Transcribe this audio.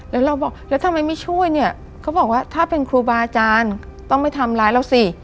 แล้วเราบอกแล้วทำไมไม่ช่วยเนี่ยเขาบอกว่าถ้าเป็นครูบาอาจารย์ต้องไม่ทำร้ายเราสิ